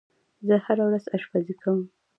زه هره ورځ آشپزی کوم.